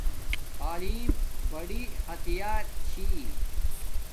تعلیم بڑی ہتیار چھی